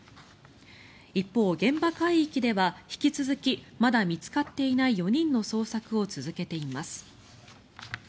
一方、現場海域では引き続きまだ見つかっていない４人の捜索を続けています。